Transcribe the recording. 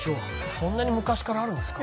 そんなに昔からあるんですか？